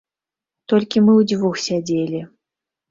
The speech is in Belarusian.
Толькі мы ўдзвюх сядзелі.